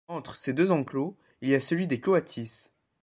Entre ses deux enclos, il y a celui des coatis.